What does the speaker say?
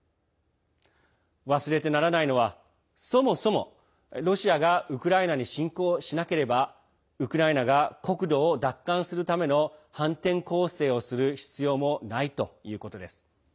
忘れてならないのはそもそも、ロシアがウクライナに侵攻しなければウクライナが国土を奪還するための反転攻勢をする必要もないということです。